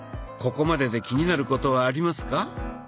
ここまでで気になることはありますか？